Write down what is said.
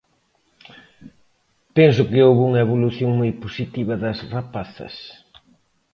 Penso que houbo unha evolución moi positiva das rapazas.